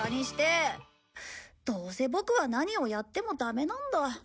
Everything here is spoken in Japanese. どうせボクは何をやってもダメなんだ。